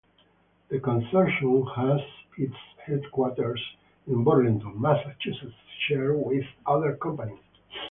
The consortium has its headquarters in Burlington, Massachusetts, shared with other companies.